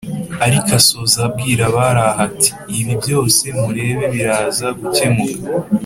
ariko asoza abwira abari aho ati: “Ibi byose mureba biraza gukemuka